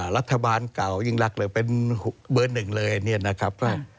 รัฐบาลเก่ายิ่งรักเลยเป็นเบอร์หนึ่งเลยเนี่ยนะครับ